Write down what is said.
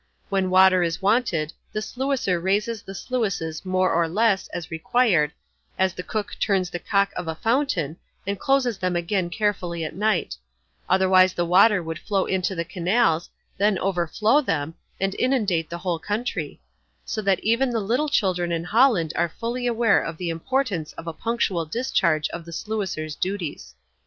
When water is wanted, the sluicer raises the sluices more or less, as required, as the cook turns the cock of a fountain, and closes them again carefully at night; otherwise the water would flow into the canals, then overflow them, and inundate the whole country; so that even the little children in Holland are fully aware of the importance of a punctual discharge of the sluicer's duties.